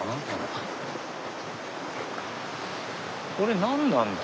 これ何なんだ？